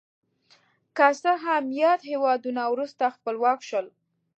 که څه هم یاد هېوادونه وروسته خپلواک شول.